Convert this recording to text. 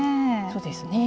そうですね。